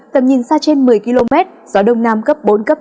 tầm nhìn xa trên một mươi km gió đông nam cấp bốn cấp năm